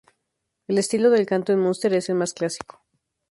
El estilo del canto en Munster es el más clásico.